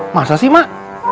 masa sih mak